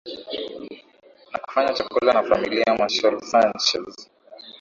na kufanya chakula na familia Marcial Sanchez